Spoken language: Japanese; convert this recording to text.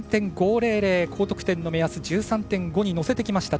高得点の目安１３．５に乗せてきました。